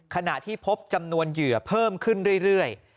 ขณะที่พบจำนวนเหยื่อเพิ่มขึ้นเรื่อย